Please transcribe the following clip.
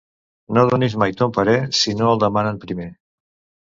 No donis mai ton parer si no el demanen primer.